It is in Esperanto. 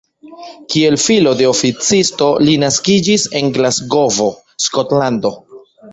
Kiel filo de oficisto li naskiĝis en Glasgovo, Skotlando.